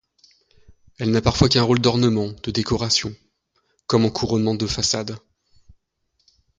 Elle n'a parfois qu'un rôle d'ornement, de décoration, comme en couronnement de façade.